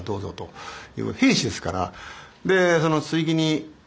兵士ですから。